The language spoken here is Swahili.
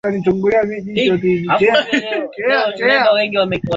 kuheshimu changuo la wananchi wa sudan kusini